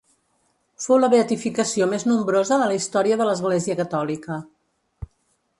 Fou la beatificació més nombrosa de la història de l'Església Catòlica.